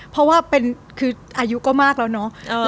เพราะว่าอายุก็มากแล้วเนอะ